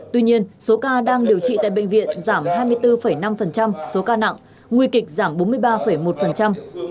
tuy nhiên số ca đang điều trị tại bệnh viện giảm hai mươi bốn năm số ca nặng nguy kịch giảm bốn mươi ba một